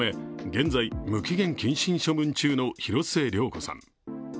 現在、無期限謹慎処分中の広末涼子さん。